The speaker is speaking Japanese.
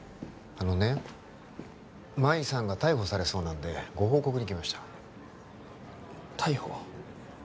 あのねマイさんが逮捕されそうなんでご報告にきました逮捕？